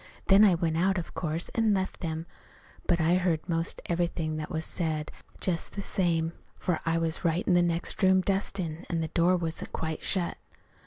Then I went out, of course, an' left them. But I heard 'most everything that was said, just the same, for I was right in the next room dustin', and the door wasn't quite shut.